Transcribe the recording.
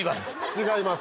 違います。